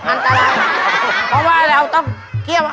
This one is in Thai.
อันตราย